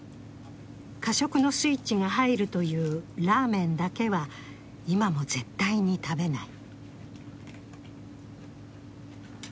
過食のスイッチが入るというラーメンだけは今も絶対に食べない。